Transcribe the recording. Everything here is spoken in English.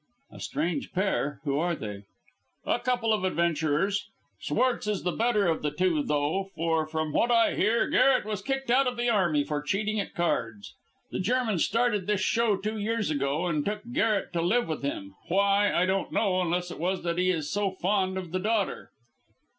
"A strange pair. Who are they?" "A couple of adventurers. Schwartz is the better of the two, though, for, from what I hear, Garret was kicked out of the army for cheating at cards. The German started this show two years ago, and took Garret to live with him; why, I don't know, unless it is that he is so fond of the daughter."